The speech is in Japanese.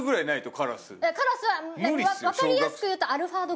カラスはわかりやすく言うとサイズ。